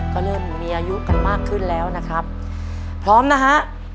ก็เริ่มมีอายุกันมากขึ้นแล้วนะครับพร้อมนะฮะ